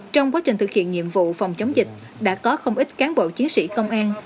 trong quá trình thực hiện nhiệm vụ phòng chống dịch đã có không ít cán bộ chiến sĩ công an